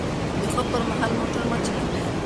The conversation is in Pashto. د خوب پر مهال موټر مه چلوئ.